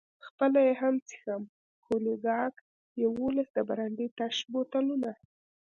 خپله یې هم څښم، کونیګاک، یوولس د برانډي تش بوتلونه.